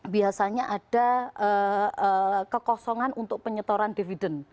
biasanya ada kekosongan untuk penyetoran dividen